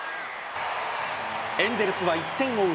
エンゼルスは１点を追う